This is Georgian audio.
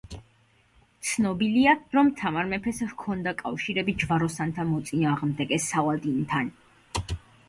ცნობილია, რომ თამარ მეფეს ჰქონდა კავშირები ჯვაროსანთა მოწინააღმდეგე სალადინთან.